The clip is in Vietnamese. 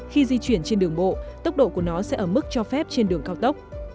khi di chuyển trên đường bộ tốc độ của nó sẽ ở mức cho phép trên đường cao tốc